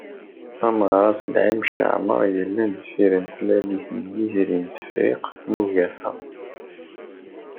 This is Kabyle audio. Ameɣras Laymac Aɛmaṛ, yellan deffir n tlalit n Yitri n Tefriqt n Ugafa.